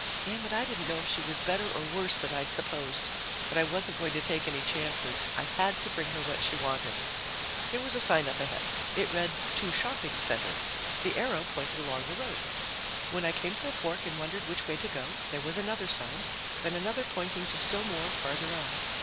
Damn it, I didn't know if she was better or worse than I'd supposed, but I wasn't going to take any chances. I had to bring her what she wanted. There was a sign up ahead. It read: TO SHOPPING CENTER. The arrow pointed along the road. When I came to a fork and wondered which way to go, there was another sign, then another pointing to still more farther on.